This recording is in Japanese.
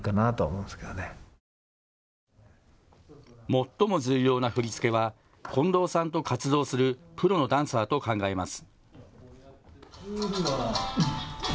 最も重要な振り付けは近藤さんと活動するプロのダンサーと考えます。